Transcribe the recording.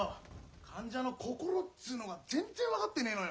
患者の心っつうのが全然分かってねえのよ。